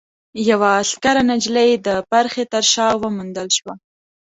يوه عسکره نجلۍ د پرښې تر شا وموندل شوه.